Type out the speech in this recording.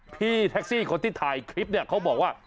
พี่แท็กซี่คนที่ถ่ายคลิปเนี่ยเขาบอกว่า